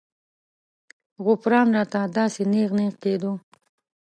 غوپران راته داسې نېغ نېغ کېدو.